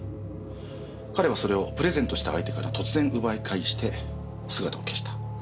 彼はそれをプレゼントした相手から突然奪い返して姿を消した。